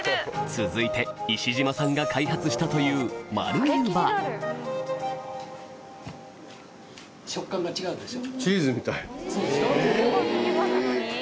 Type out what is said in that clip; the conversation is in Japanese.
続いて石嶋さんが開発したというそうでしょ。